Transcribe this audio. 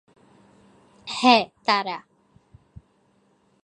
হ্যাঁ, তারা।